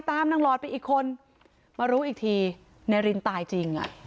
นางหลอดไปอีกคนมารู้อีกทีนายรินตายจริงอ่ะ